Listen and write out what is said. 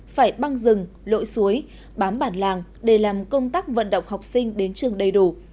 phải băng rừng lội suối bám bản làng để làm công tác vận động học sinh đến trường đầy đủ